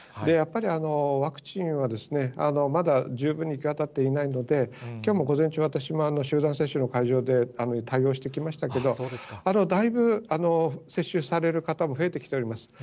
やっぱりワクチンはまだ十分に行き渡っていないので、きょうも午前中、私も集団接種の会場で対応してきましたけれども、だいぶ、接種される方も増えてきております。